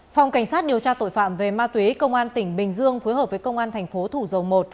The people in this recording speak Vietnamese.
phòng cảnh sát điều tra tội phạm về ma túy công an tỉnh bình dương phối hợp với công an tp hcm